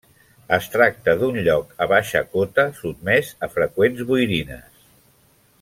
Es tracta d'un lloc a baixa cota, sotmès a freqüents boirines.